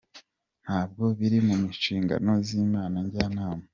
Ntabwo biri mu nshingano z’Inama Njyanama.